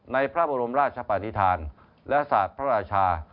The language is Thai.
ในพระบรมราชปานิษฐานและศาสตร์พระราชา